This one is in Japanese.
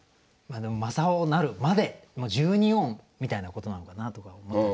まあでも「真青なる」まで十二音みたいなことなのかなとか。